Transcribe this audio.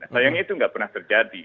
sayangnya itu nggak pernah terjadi